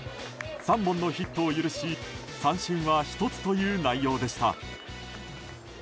３本のヒットを許し三振は１つという内容でした。